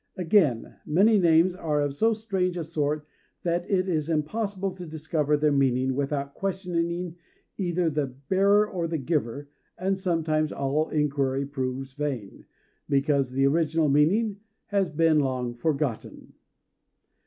Again, many names are of so strange a sort that it is impossible to discover their meaning without questioning either the bearer or the giver; and sometimes all inquiry proves vain, because the original meaning has been long forgotten.